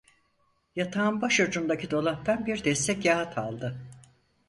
Yatağın başucundaki dolaptan bir deste kâğıt aldı.